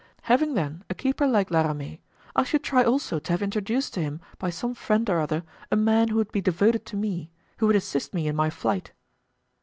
"Having, then, a keeper like La Ramee, I should try also to have introduced to him by some friend or other a man who would be devoted to me, who would assist me in my flight."